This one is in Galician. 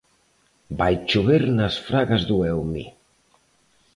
Vai chover nas Fragas do Eume.